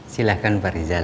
silahkan pak rizal